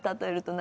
何？